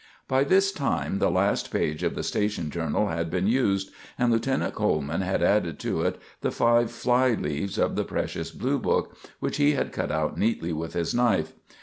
By this time the last page of the station journal had been used, and Lieutenant Coleman had added to it the five fly leaves of the precious Blue Book, which he had cut out neatly with his knife.